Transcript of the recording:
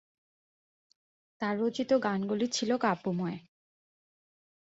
তার রচিত গানগুলি ছিল কাব্যময়।